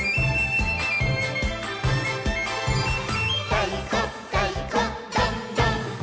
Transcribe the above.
「たいこたいこどんどん」